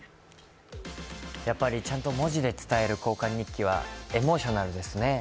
やっぱりちゃんと文字で伝える交換日記はエモーショナルですね。